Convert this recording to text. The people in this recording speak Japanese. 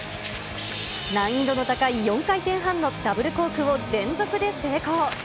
難易度の高い４回転半のダブルコークを連続で成功。